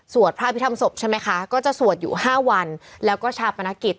สวดพระพิธรรมศพใช่ไหมคะก็จะยู่ห้าวันแล้วก็ชาปนากิจ